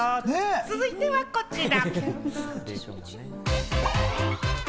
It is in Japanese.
続いてはこちら。